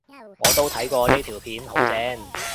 我都睇過呢條片，好正